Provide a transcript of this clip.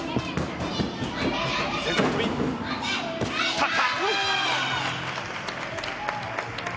立った！